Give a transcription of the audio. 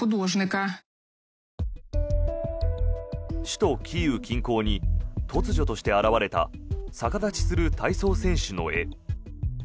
首都キーウ近郊に突如として現れた逆立ちする体操選手の絵。